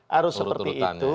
harus seperti itu